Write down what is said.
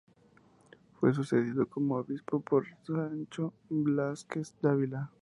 Fue sucedido como obispo por Sancho Blázquez Dávila.